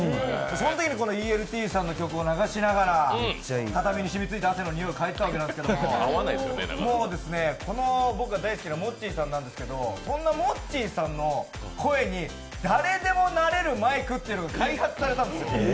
そのときにＥＬＴさんの曲を流しながら、畳に染みついた汗の臭いをかいでいたわけですけど、この僕が大好きなもっちーさんなんですけど誰でもなれるマイクっていうのが開発されたんですよ。